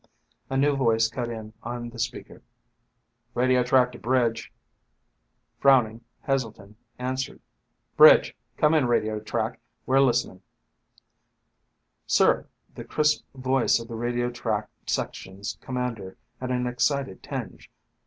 A new voice cut in on the speaker. "Radio track to bridge." Frowning, Heselton answered. "Bridge. Come in radio track. We're listening." "Sir," the crisp voice of the radio track section's commander had an excited tinge.